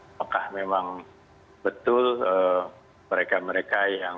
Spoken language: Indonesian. apakah memang betul mereka mereka yang